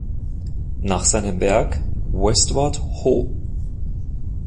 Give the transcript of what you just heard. Nach seinem Werk "Westward Ho!